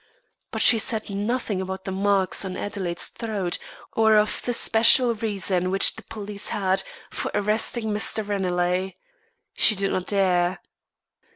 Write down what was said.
But she said nothing about the marks on Adelaide's throat, or of the special reason which the police had for arresting Mr. Ranelagh. She did not dare.